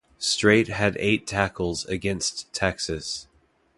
Strait had eight tackles against Texas.